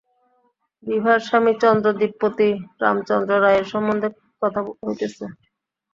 বিভার স্বামী চন্দ্রদ্বীপপতি রামচন্দ্র রায়ের সম্বন্ধে কথা হইতেছে।